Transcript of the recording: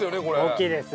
大きいです